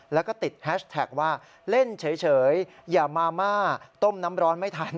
แล้วก็ติดแฮชแท็กว่าเล่นเฉยอย่ามาม่าต้มน้ำร้อนไม่ทัน